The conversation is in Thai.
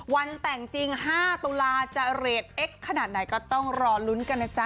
วันแต่งจริง๕ตุลาจะเรทเอ็กซ์ขนาดไหนก็ต้องรอลุ้นกันนะจ๊ะ